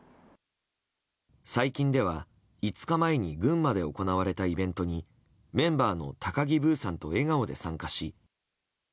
最近では５日前に群馬で行われたイベントにメンバーの高木ブーさんと笑顔で参加し。